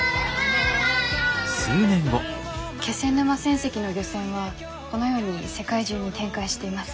気仙沼船籍の漁船はこのように世界中に展開しています。